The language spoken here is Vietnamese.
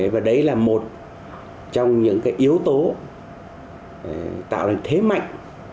và đấy là một trong những yếu tố tạo nên thế mạnh